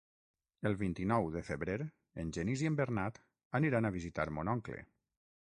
El vint-i-nou de febrer en Genís i en Bernat aniran a visitar mon oncle.